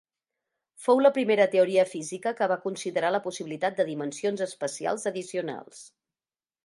Fou la primera teoria física que va considerar la possibilitat de dimensions espacials addicionals.